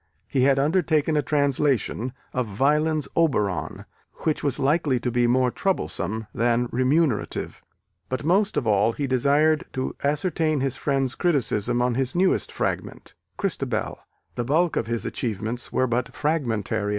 He had undertaken a translation of Wieland's Oberon, which was likely to be more troublesome than remunerative. But most of all he desired to ascertain his friends' criticism on his newest fragment, Christabel: the bulk of his achievements were but fragmentary at the best.